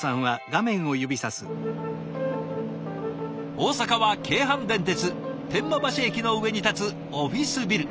大阪は京阪電鉄天満橋駅の上に建つオフィスビル。